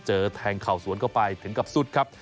แทงเข่าสวนเข้าไปถึงกับสุดครับ